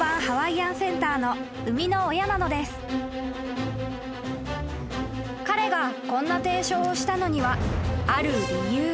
［彼がこんな提唱をしたのにはある理由が］